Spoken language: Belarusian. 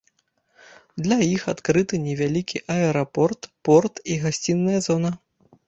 Для іх адкрыты невялікі аэрапорт, порт і гасцінная зона.